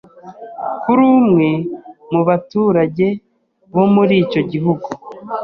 kuri umwe mu baturage bo muri icyo gihugu,